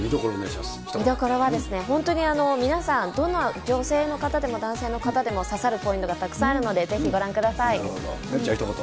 見どころは本当に、皆さん、どんな女性の方でも男性の方でも刺さるポイントがたくさんあるの愛瑠ちゃん、ひと言。